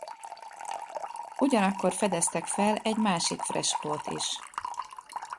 Ugyanakkor fedeztek fel egy másik freskót is.